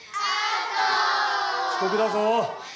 遅刻だぞ！